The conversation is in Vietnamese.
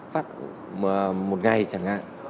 phát một ngày chẳng hạn